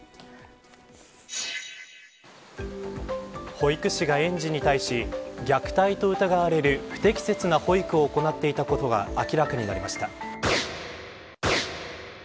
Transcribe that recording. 保育士が園児に対し虐待と疑われる不適切な保育を行っていたことが明らかになりました。